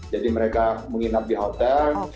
jadi mereka menginap di hotel